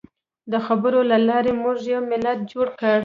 د خبرو له لارې موږ یو ملت جوړ کړ.